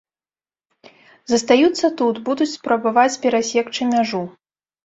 Застаюцца тут, будуць спрабаваць перасекчы мяжу.